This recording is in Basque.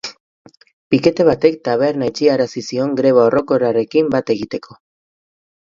Pikete batek taberna itxiarazi zion greba orokorrarekin bat egiteko.